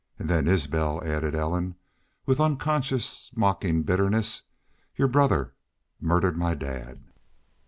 "An' then, Isbel," added Ellen, with unconscious mocking bitterness, "Your brother murdered my dad!"